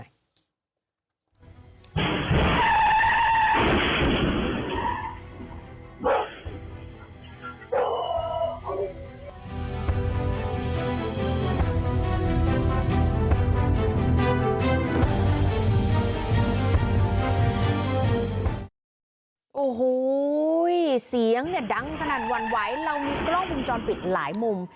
โอ้โหเสียงเนี่ยดังสนั่นหวั่นไหวเรามีกล้องวงจรปิดหลายมุม